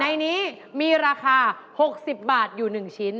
ในนี้มีราคา๖๐บาทอยู่๑ชิ้น